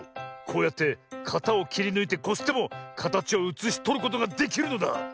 こうやってかたをきりぬいてこすってもかたちをうつしとることができるのだ。